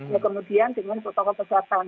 ya kemudian dengan protokol kesehatan